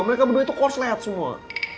mereka berdua itu korslet semua